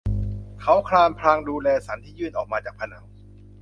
เขาคลานพลางดูแลสันที่ยื่นออกมาจากผนัง